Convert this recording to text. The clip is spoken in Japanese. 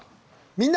「みんな！